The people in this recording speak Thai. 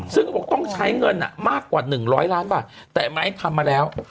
ซึ่งเขาบอกต้องใช้เงินมากกว่า๑๐๐ล้านบาทแต่ไม้ทำมาแล้ว